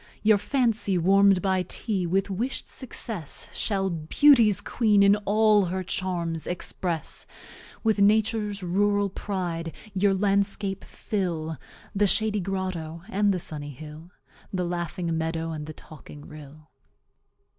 Your Fancy, warm'd by TEA, with wish'd success, Shall Beauty's Queen in all her Charms express; With Nature's Rural Pride your Landscape fill The Shady Grotto, and the Sunny Hill, The Laughing Meadow, and the Talking Rill.